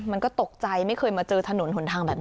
มันก็ตกใจไม่เคยมาเจอถนนหนทางแบบนี้